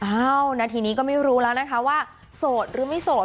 นาทีนี้ก็ไม่รู้แล้วนะคะว่าโสดหรือไม่โสด